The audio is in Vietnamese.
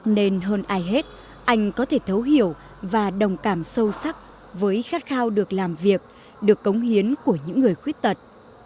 nên hơn ai hết anh có thể thấu hiểu và đồng cảm sâu sắc với khát khao được làm việc được cống hiến của những người khuyết tật